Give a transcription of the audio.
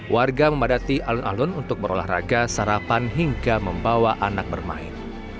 warga memadati alun alun untuk berolahraga sarapan hingga membawa anak bermain